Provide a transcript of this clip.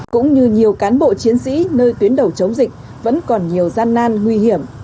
cũng như nhiều cán bộ chiến sĩ nơi tuyến đầu chống dịch vẫn còn nhiều gian nan nguy hiểm